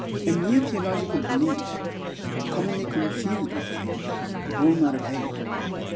A mere theological belief (commonly confused with faith) will not avail.